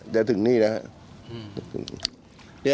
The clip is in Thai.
จะถึงนี่นะครับ